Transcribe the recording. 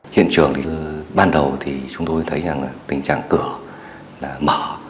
hiện trường ban đầu thì chúng tôi thấy tình trạng cửa mở